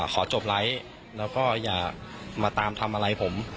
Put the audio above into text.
ขอจบไลค์แล้วก็อย่ามาตามทำอะไรผม